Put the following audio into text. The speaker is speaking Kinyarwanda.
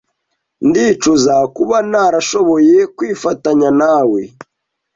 Ndicuza kuba ntarashoboye kwifatanya nawe.